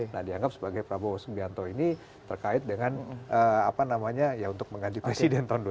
nah dianggap sebagai prabowo subianto ini terkait dengan apa namanya ya untuk mengajak presiden tahun dua ribu sembilan belas